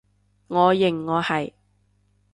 我認我係